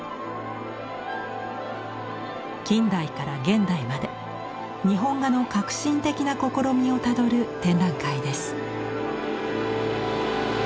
近代から現代まで日本画の革新的な試みをたどる展覧会です。